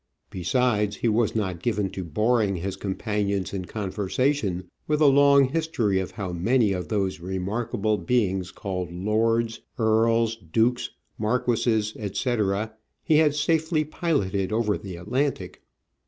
Besides, he was not given to boring his companions in conversation with a long history of how many of those remarkable beings called lords, earls, dukes, marquesses, etc., he had safely piloted over the Atlantic.